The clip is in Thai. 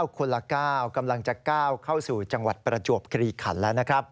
คนละ๙กำลังจะก้าวเข้าสู่จังหวัดประจวบกรีขันแล้วนะครับ